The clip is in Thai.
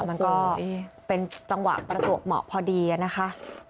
มันก็เป็นจังหวะประจวบเหมาะพอดีนะคะ